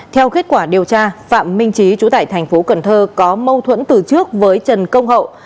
theo kết quả điều tra phạm minh trí chú tại tp cn có mâu thuẫn từ trước với trần công hậu